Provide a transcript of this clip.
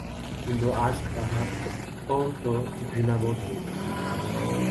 কিন্তু আজ তাহার অত্যন্ত ঘৃণাবোধ হইল।